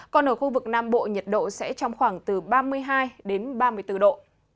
còn ở khu vực nam bộ nhiệt độ sẽ trong khoảng từ ba mươi hai đến ba mươi bốn độ